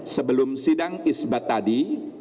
sebelum sidang isbad tadi